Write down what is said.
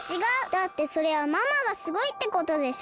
だってそれはママがすごいってことでしょ！